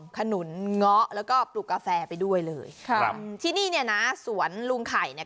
ขนุนเงาะแล้วก็ปลูกกาแฟไปด้วยเลยครับที่นี่เนี่ยนะสวนลุงไข่เนี่ย